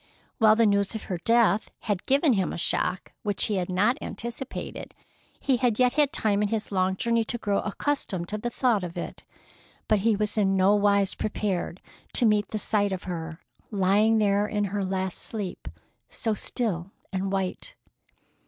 While the news of her death had given him a shock which he had not anticipated, he had yet had time in his long journey to grow accustomed to the thought of it. But he was in no wise prepared to meet the sight of her lying there in her last sleep, so still and white.